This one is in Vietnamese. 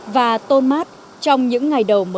và tôn mát trong những ngày đầu mới